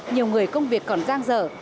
nhiều người công việc còn giang dở